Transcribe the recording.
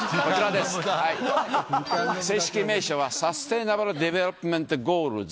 正式名称はサステイナブル・デベロップメント・ゴールズ。